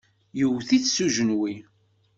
Yewwet-it s ujenwi.